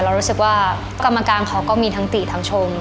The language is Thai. รู้สึกว่ากรรมการเขาก็มีทั้งติทั้งชม